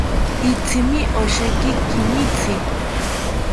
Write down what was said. Itzimi osheki kinitzi